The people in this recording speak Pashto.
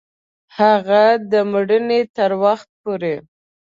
هغه د مړینې تر وخت پوري